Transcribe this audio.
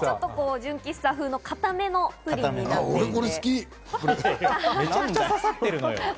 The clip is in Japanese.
純喫茶風の硬めなプリンになっています。